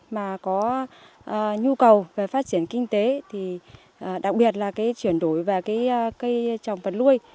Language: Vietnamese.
mà có nhu cầu về phát triển kinh tế thì đặc biệt là cái chuyển đổi về cái cây trồng vật nuôi